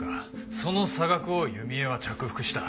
その差額を弓江は着服した。